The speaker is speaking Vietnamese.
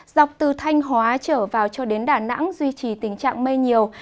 dọc từ thanh hóa trở vào cho đến đà nẵng duy trì tình trạng mây nhiều